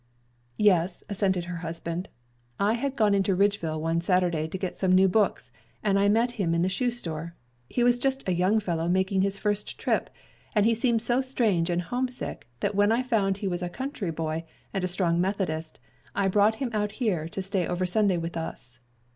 "Yes," assented her husband, "I had gone into Ridgeville one Saturday to get some new boots, and I met him in the shoestore. He was just a young fellow making his first trip, and he seemed so strange and homesick that when I found he was a country boy and a strong Methodist, I brought him out here to stay over Sunday with us."